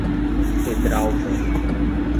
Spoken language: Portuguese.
Pedralva